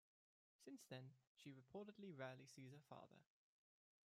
Since then, she reportedly rarely sees her father.